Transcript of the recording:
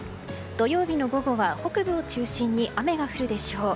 土曜日の午後は北部を中心に雨が降るでしょう。